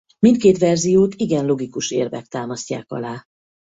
Mindkét verziót igen logikus érvek támasztják alá.